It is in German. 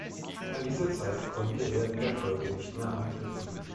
An diese Zeit konnte er in der Folge nicht mehr anknüpfen.